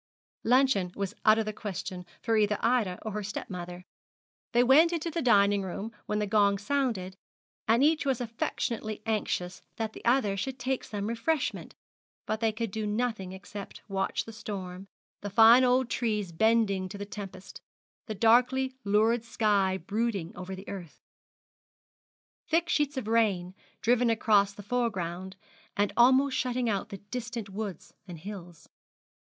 Luncheon was out of the question for either Ida or her stepmother. They went into the dining room when the gong sounded, and each was affectionately anxious that the other should take some refreshment; but they could do nothing except watch the storm, the fine old trees bending to the tempest, the darkly lurid sky brooding over the earth, thick sheets of rain, driven across the foregound, and almost shutting out the distant woods and hills.